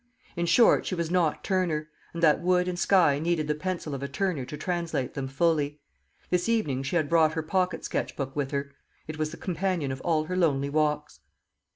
In short, she was not Turner; and that wood and sky needed the pencil of a Turner to translate them fully. This evening she had brought her pocket sketch book with her. It was the companion of all her lonely walks.